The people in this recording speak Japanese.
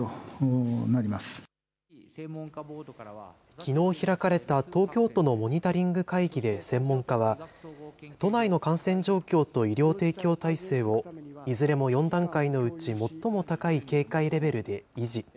きのう開かれた東京都のモニタリング会議で専門家は、都内の感染状況と医療提供体制を、いずれも４段階のうち、最も高い警戒レベルで維持。